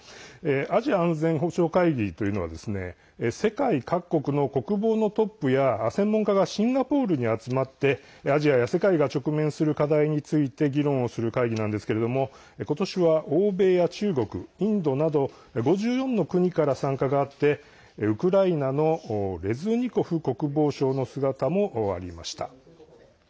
アジア安全保障会議というのは世界各国の国防のトップや専門家がシンガポールに集まってアジアや世界について話し合う会合なんですけれども今年は欧米や中国インドなど５４の国から参加があってウクライナのレズニコフ国防相の姿もありました。